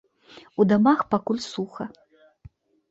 У дамах пакуль суха.